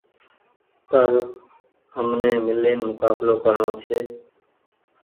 پر همني ميلين مڪبلو ڪرڻو ڇي